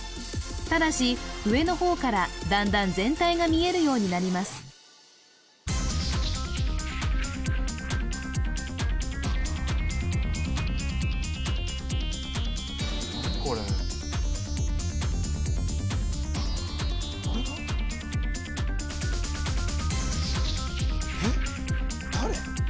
ただし上の方からだんだん全体が見えるようになりますえっ誰？